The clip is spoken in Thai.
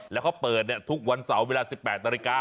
แล้วเขาเปิดทุกวันเสาร์เวลา๑๘นาฬิกา